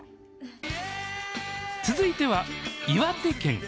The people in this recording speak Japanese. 続いては岩手県。